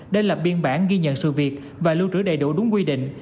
đây là biên bản ghi nhận sự việc và lưu trữ đầy đủ đúng quy định